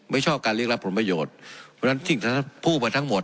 ไม่ชอบการเรียกรับผลประโยชน์เพราะฉะนั้นทิศพูดมาทั้งหมด